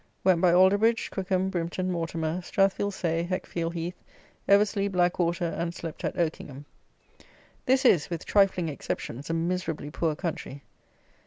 Went by Alderbridge, Crookham, Brimton, Mortimer, Strathfield Say, Heckfield Heath, Eversley, Blackwater, and slept at Oakingham. This is, with trifling exceptions, a miserably poor country.